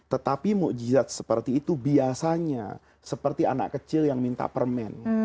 tetapi mujizat seperti itu biasanya seperti anak kecil yang minta permen